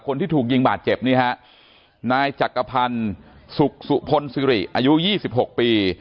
คนที่ถูกยิงบาดเจ็บนี่ฮะนายจักรพันธ์สุขสุพลสิริอายุ๒๖ปี